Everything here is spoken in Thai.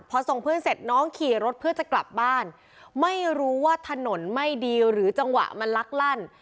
พอส่งเพื่อนเสร็จน้องขี่รถเพื่อจะกลับบ้านไม่รู้ว่าถนนไม่ดีหรือจังหวะมันลักลั่น